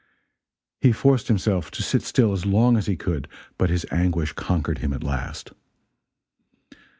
He forced himself to sit still as long as he could, but his anguish conquered him at last.